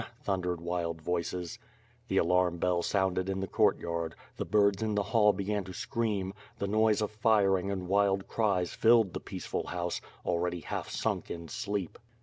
thundered wild voices. The alarm bell sounded in the courtyard; the birds in the hall began to scream; the noise of firing and wild cries filled the peaceful house, already half sunk in sleep.